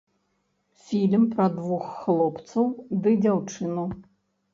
Фільм пра двух хлопцаў ды дзяўчыну.